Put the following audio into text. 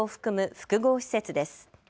複合施設です。